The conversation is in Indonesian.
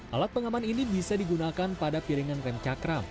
alat pengaman ini bisa digunakan pada piringan rem cakram